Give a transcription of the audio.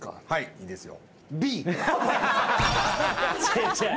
いいですよ。